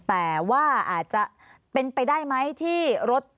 แต่ว่าอาจจะเป็นไปได้ไหมที่รถ